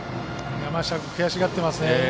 山下君悔しがってますね。